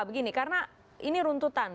begini karena ini runtutan